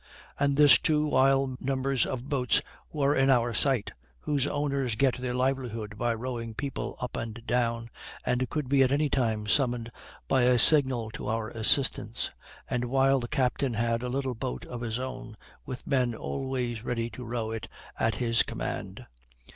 And this too while numbers of boats were in our sight, whose owners get their livelihood by rowing people up and down, and could be at any time summoned by a signal to our assistance, and while the captain had a little boat of his own, with men always ready to row it at his command.